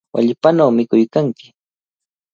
¡Wallpanaw mikuykanki!